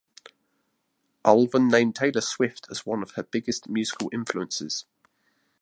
Ulven named Taylor Swift as one of her biggest musical influences.